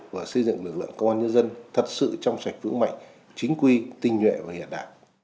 và xây dựng lực lượng công an nhân dân thật sự trong sạch vững mạnh chính quy tinh nhuệ và hiện đại